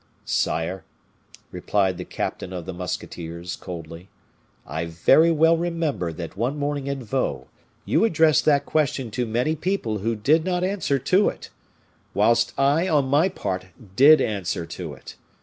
"Sire," replied the captain of the musketeers, coldly, "I very well remember that one morning at Vaux you addressed that question to many people who did not answer to it, whilst I, on my part, did answer to it.